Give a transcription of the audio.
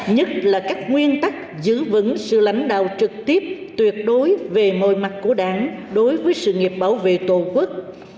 nhất là các nguyên tắc giữ vững sự lãnh đạo trực tiếp tuyệt đối về mọi mặt của đảng đối với sự nghiệp bảo vệ tổ quốc